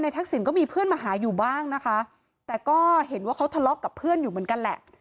ทักษิณก็มีเพื่อนมาหาอยู่บ้างนะคะแต่ก็เห็นว่าเขาทะเลาะกับเพื่อนอยู่เหมือนกันแหละ